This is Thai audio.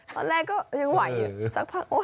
ตอนแรกก็ยังไหวสักพักนะ